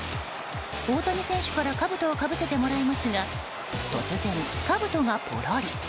大谷選手からかぶとをかぶせてもらいますが突然、かぶとがポロリ。